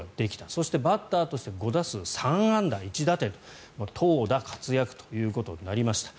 そしてバッターとして５打数３安打１打点投打活躍となりました。